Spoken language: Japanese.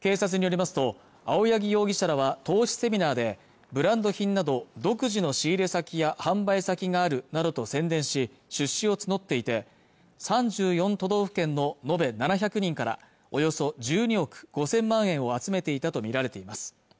警察によりますと青柳容疑者らは投資セミナーでブランド品など独自の仕入れ先や販売先があるなどと宣伝し出資を募っていて３４都道府県の延べ７００人からおよそ１２億５０００万円を集めていたとみられています